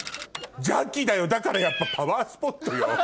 邪気だよだからやっぱパワースポットよ。